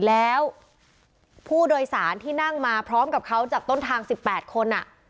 แล้วผู้โดยสารที่นั่งมาพร้อมกับเขาจากต้นทาง๑๘คน